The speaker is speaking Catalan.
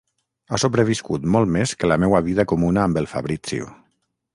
Ha sobreviscut molt més que la meua vida comuna amb el Fabrizio.